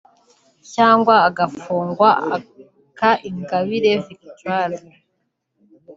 cyangwa agafungwa aka Ingabire Victoire